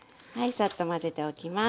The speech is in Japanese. サッと混ぜておきます。